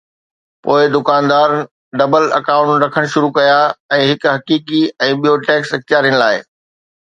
پوءِ دڪاندار double account رکڻ شروع ڪيا، هڪ حقيقي ۽ ٻيو ٽيڪس اختيارين لاءِ.